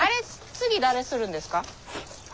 次誰するんですか？